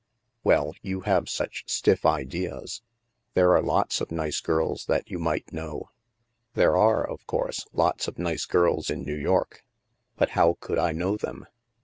Well, you have such stiff ideas. There are lots of nice girls that you might know." " There are, of course, lots of nice girls in New York. But how could I know them